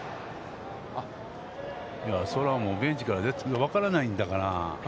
それはベンチから、分からないんだから。